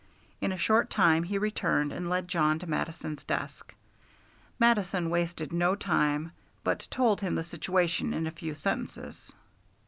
In a short time he returned and led Jawn to Mattison's desk. Mattison wasted no time, but told him the situation in a few sentences.